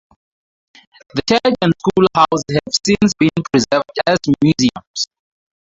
The church and school house have since been preserved as museums.